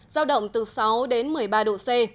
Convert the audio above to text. giao động từ sáu đến một mươi ba độ c